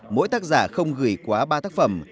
mỗi tác giả không gửi quá ba tác phẩm